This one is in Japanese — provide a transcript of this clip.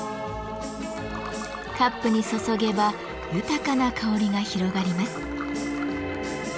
カップに注げば豊かな香りが広がります。